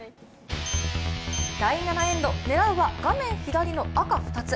第７エンド、狙うは画面左の赤二つ。